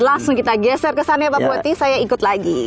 langsung kita geser kesana ya pak bupati saya ikut lagi